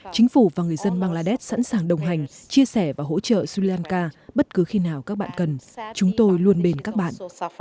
chính phủ và người dân bangladesh sẵn sàng đồng hành chia sẻ và hỗ trợ sri lanka bất cứ khi nào các bạn cần chúng tôi luôn bên các bạn